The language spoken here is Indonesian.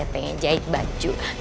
pengen jahit baju